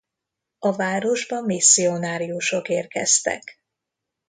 A városba misszionáriusok érkeztek.